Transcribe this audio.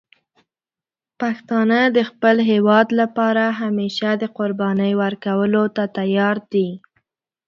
پښتانه د خپل هېواد لپاره همیشه د قربانی ورکولو ته تیار دي.